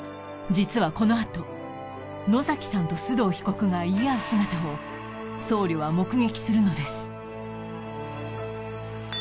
実はこのあと野さんと須藤被告が言い合う姿を僧侶は目撃するのです